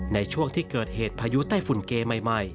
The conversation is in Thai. ในช่วงที่เกิดเหตุพายุไต้ฝุ่นเกใหม่